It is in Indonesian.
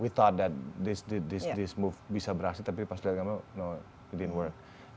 kita pikir bahwa ini bisa berhasil tapi pas melihat gambarnya tidak berhasil